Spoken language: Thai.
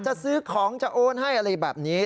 จะซื้อของจะโอนให้อะไรแบบนี้